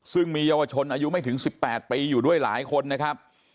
ซึ่งมีเยาวชนอายุไม่ถึง๑๘ปีอยู่ด้วยหลายคนนะครับ